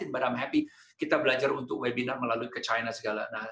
barang happy kita belajar untuk webinar melalui ke china segala